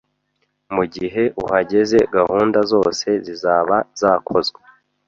Mugihe uhageze, gahunda zose zizaba zakozwe.